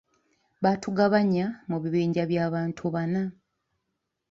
Baatugabanya mu bibinja bya bantu bana.